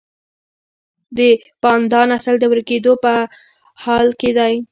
د پاندا نسل د ورکیدو په حال کې دی